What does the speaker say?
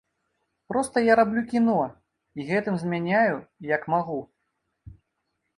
Проста я раблю кіно, і гэтым змяняю, як магу.